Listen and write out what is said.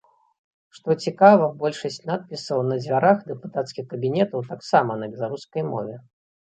Што цікава, большасць надпісаў на дзвярах дэпутацкіх кабінетаў таксама на беларускай мове.